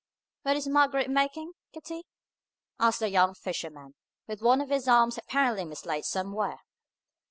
"What is Margaret making, Kitty?" asked the young fisherman, with one of his arms apparently mislaid somewhere.